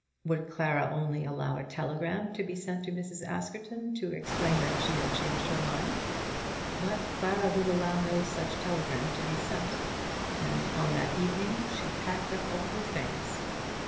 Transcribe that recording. Would Clara only allow a telegram to be sent to Mrs. Askerton, to explain that she had changed her mind? But Clara would allow no such telegram to be sent, and on that evening she packed up all her things.